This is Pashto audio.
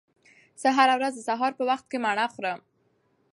زه هره ورځ د سهار په وخت کې مڼه خورم.